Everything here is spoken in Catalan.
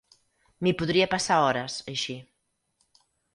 M'hi podria passar hores, així.